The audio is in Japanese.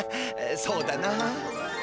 そうだな。